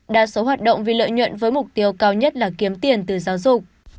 đa số hoạt động vì lợi nhuận với mục tiêu cao nhất là kiếm tiền từ giáo dục